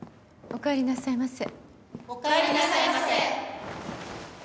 おかえりなさいませ。